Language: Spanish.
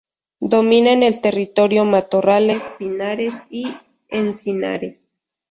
Domina en el territorio matorrales, pinares y encinares.